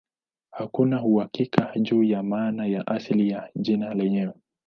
Hakuna uhakika juu ya maana ya asili ya jina lenyewe.